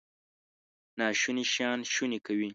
ناشوني شیان شوني کوي.